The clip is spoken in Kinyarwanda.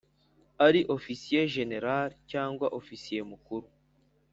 Ari ofisiye jenerali cyangwa ofisiye mukuru